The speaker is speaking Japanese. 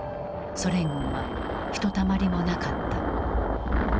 ソ連軍はひとたまりもなかった。